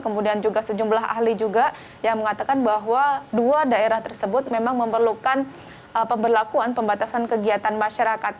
pemerintah surabaya raya juga mengatakan bahwa dua daerah tersebut memang memerlukan pembelakuan pembatasan kegiatan masyarakat